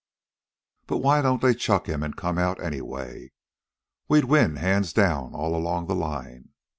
But why don't they chuck him and come out anyway? We'd win hands down all along the line.